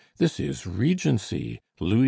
This is Regency, Louis XV.